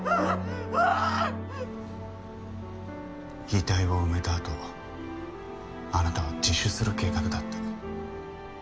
遺体を埋めたあとあなたは自首する計画だった。